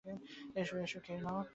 এসো, খেয়ে নাও।